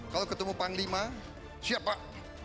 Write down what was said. kalau ketemu panglima siap pak